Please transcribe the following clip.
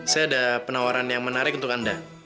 saya ada penawaran yang menarik untuk anda